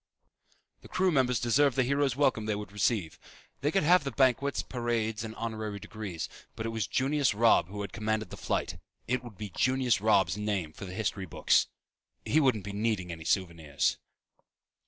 The crew members deserved the hero's welcome they would receive. They could have the banquets, parades and honorary degrees. But it was Junius Robb who had commanded the flight. It would be Junius Robb's name for the history books. He wouldn't be needing any souvenirs.